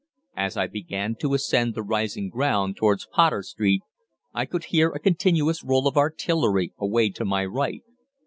As I began to ascend the rising ground towards Potter Street I could hear a continuous roll of artillery away to my right.